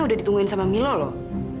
udah ditungguin sama milo loh